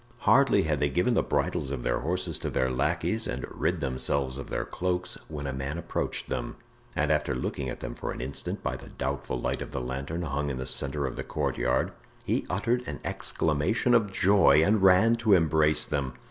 Hardly had they given the bridles of their horses to their lackeys and rid themselves of their cloaks when a man approached them, and after looking at them for an instant by the doubtful light of the lantern hung in the centre of the courtyard he uttered an exclamation of joy and ran to embrace them.